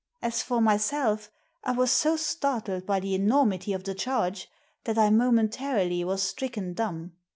As for myself, I was so startled by the enormity of the charge that I momentarily was stricken dumb.